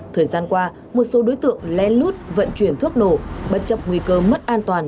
thời gian qua một số đối tượng len lút vận chuyển thuốc nổ bất chấp nguy cơ mất an toàn